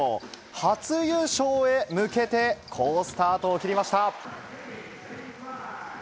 初優勝へ向けて、好スタートを切りました。